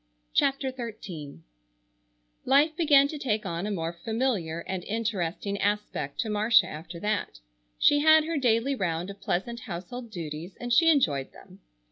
CHAPTER XIII Life began to take on a more familiar and interesting aspect to Marcia after that. She had her daily round of pleasant household duties and she enjoyed them.